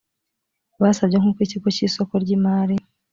basabye nk uko ikigo cy isoko ry imari